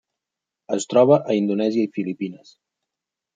Es troba a Indonèsia i Filipines.